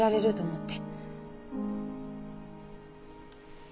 って。